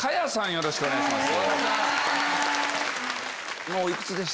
よろしくお願いします。